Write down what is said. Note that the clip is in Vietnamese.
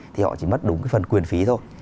thì họ chỉ mất đúng cái phần quyền phí thôi